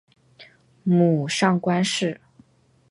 母上官氏。